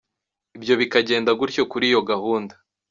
Ibyo bikagenda gutyo kuri iyo gahunda.